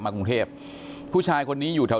กรุงเทพผู้ชายคนนี้อยู่แถว